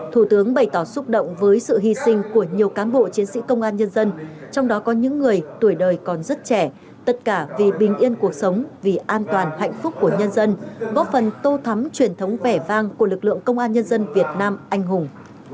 thủ tướng bày tỏ xúc động với sự hy sinh của nhiều cán bộ chiến sĩ công an nhân dân trong đó có những người tuổi đời còn rất trẻ tất cả vì bình yên cuộc sống vì an toàn hạnh phúc của nhân dân góp phần tô thắm truyền thống vẻ vang của lực lượng công an nhân dân việt nam anh hùng